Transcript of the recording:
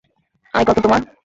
আয় কতো তোমার?